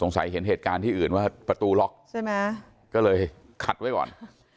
เห็นเหตุการณ์ที่อื่นว่าประตูล็อกใช่ไหมก็เลยขัดไว้ก่อน